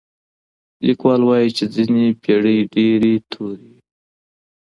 ليکوال وايي چي ځينې پېړۍ ډېرې تورې وې.